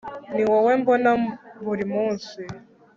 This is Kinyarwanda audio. niwowe mbona buri munsi